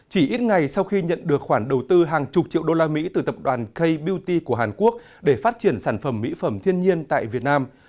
chỉ ít ngày sau khi nhận được khoản đầu tư hàng chục triệu đô la mỹ từ tập đoàn k beauty của hàn quốc để phát triển sản phẩm mỹ phẩm thiên nhiên tại việt nam